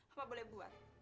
apa boleh buat